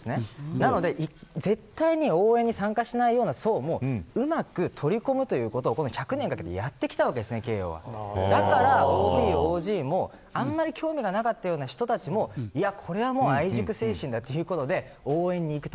なので、絶対に応援に参加しないような層もうまく取り込むということを１００年かけてやってきたわけです、慶応は。だから、ＯＢ、ＯＧもあんまり興味がなかったような人たちもこれは愛塾精神だということで応援に行く。